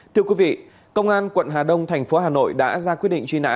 thưa quý vị công an quận hà đông thành phố hà nội đã ra quyết định truy nã